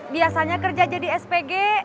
biasanya kerja jadi spg